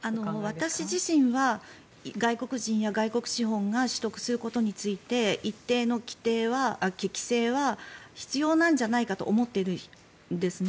私自身は外国人や外国資本が取得することについて一定の規制は必要なんじゃないかと思っています。